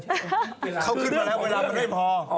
เขาขึ้นมาแล้วเวลามันไม่พอ